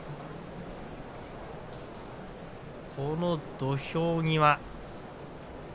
この土俵際。